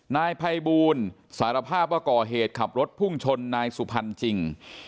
นายภัยบูลสารภาพว่าก่อเหตุขับรถพุ่งชนนายสุพรรณจริง